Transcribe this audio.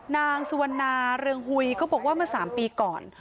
นางสุวรรณาเรืองหุยก็บอกว่าเมื่อ๓ปีก่อน